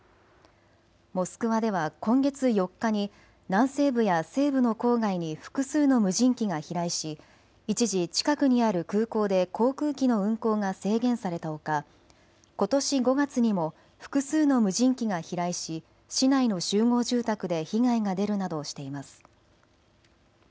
モスクワでは今月４日に南西部や西部の郊外に複数の無人機が飛来し一時近くにある空港で航空機の運航が制限されたほか、ことし５月にも複数の無人機が飛来し市内の集合住宅で被害が出るなどしています。